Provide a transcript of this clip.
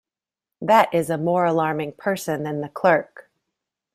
That is a more alarming person than the clerk.